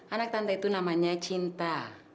anak tante itu namanya cinta